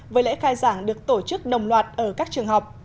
với lễ khai giảng được tổ chức nồng loạt ở các trường học